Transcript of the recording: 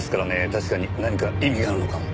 確かに何か意味があるのかも。